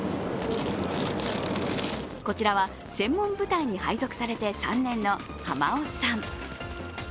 こちらは、専門部隊に配属されて３年の浜尾さん。